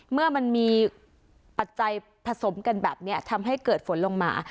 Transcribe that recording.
เมื่อมันมีปัจจัยผสมกันแบบนี้ทำให้เกิดฝนลงมา